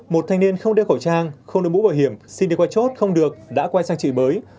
một thanh niên không đeo khẩu trang không được mũ bảo hiểm xin đi qua chốt không được đã quay sang trị bới